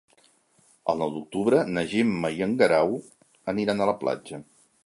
El nou d'octubre na Gemma i en Guerau aniran a la platja.